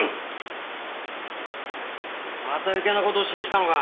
また余計な事をしに来たのか。